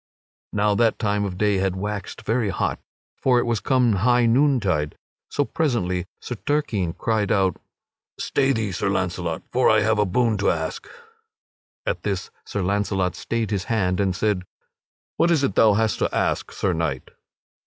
Now that time the day had waxed very hot, for it was come high noontide, so presently Sir Turquine cried out: "Stay thee, Sir Launcelot, for I have a boon to ask!" At this Sir Launcelot stayed his hand and said: "What is it thou hast to ask, Sir Knight?"